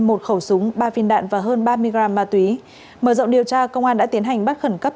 một khẩu súng ba viên đạn và hơn ba mươi gram ma túy mở rộng điều tra công an đã tiến hành bắt khẩn cấp